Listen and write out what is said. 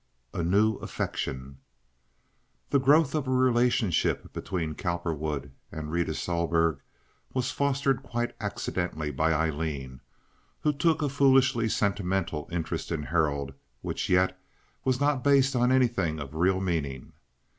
A New Affection The growth of a relationship between Cowperwood and Rita Sohlberg was fostered quite accidentally by Aileen, who took a foolishly sentimental interest in Harold which yet was not based on anything of real meaning.